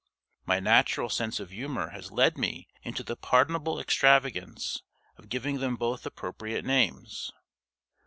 My natural sense of humor has led me into the pardonable extravagance of giving them both appropriate names.